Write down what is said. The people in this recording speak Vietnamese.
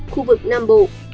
khu vực nam bộ